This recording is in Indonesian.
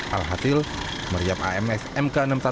alhasil meriam amx mk enam puluh satu